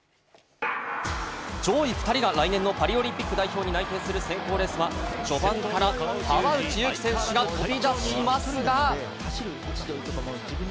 上位２人が来年のパリオリンピック代表に内定する選考レースは序盤から川内優輝選手が飛び出しますが。